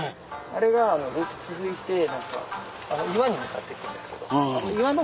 あれがずっと続いて岩に向かっていくんですけどあの。